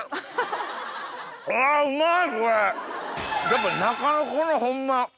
やっぱ中のこのホンマ。